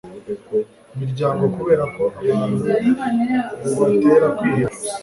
miryango kubera ko abantu bubatera kwiheba